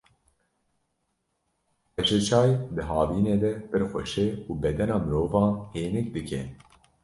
Qeşeçay di havînê de pir xweş e û bedena mirovan hênik dike.